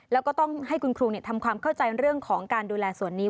แล้วก็ต้องให้คุณครูทำความเข้าใจเรื่องของการดูแลส่วนนี้